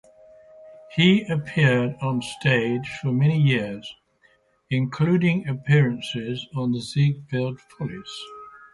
He appeared on stage for many years, including appearances in the Ziegfeld Follies.